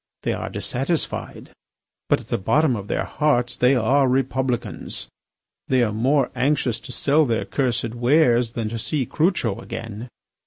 They are dissatisfied, but at the bottom of their hearts they are Republicans. They are more anxious to sell their cursed wares than to see Crucho again.